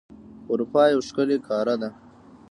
اروپا یو ښکلی قاره ده.